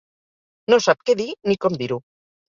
No sap què dir ni com dir-ho.